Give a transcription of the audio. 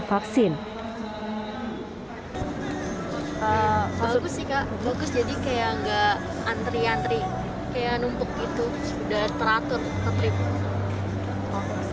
vaksin bagus sih kak bagus jadi kayak nggak antri antri kayak numpuk itu sudah teratur